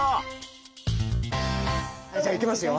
じゃあ行きますよ。